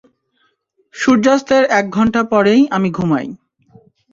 সূর্যাস্তের এক ঘন্টা পরেই আমি ঘুমাই।